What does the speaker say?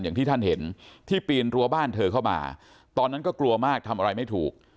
อย่างที่ท่านเห็นที่ปีนรั้วบ้านเธอเข้ามาตอนนั้นก็กลัวมากทำอะไรไม่ถูก